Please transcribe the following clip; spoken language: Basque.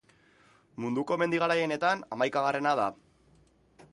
Munduko mendi garaienetan hamaikagarrena da.